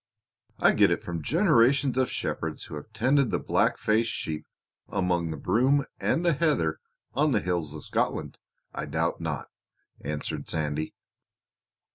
"I get it from generations of shepherds who have tended the black faced sheep among the broom and the heather on the hills of Scotland, I doubt not," answered Sandy.